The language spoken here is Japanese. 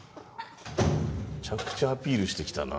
めちゃくちゃアピールしてきたな。